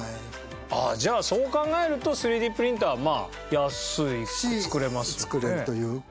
じゃあそう考えると３Ｄプリンターはまあ安く作れますよね。